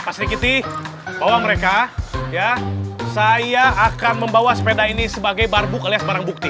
pak sedikit bawa mereka saya akan membawa sepeda ini sebagai barbuk alias barang bukti